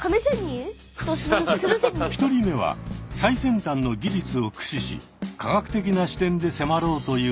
１人目は最先端の技術を駆使し科学的な視点で迫ろうという達人。